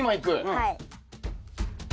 はい。